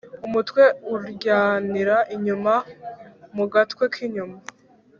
umutwe uryanira inyuma mugatwe kinyuma